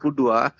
mulai di acara